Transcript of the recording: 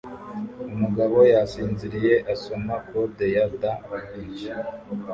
Umugabo yasinziriye asoma Code ya Da Vinci